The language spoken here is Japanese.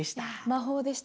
魔法でした。